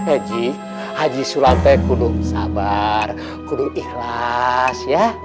eji haji sulante kudung sabar kudung ikhlas ya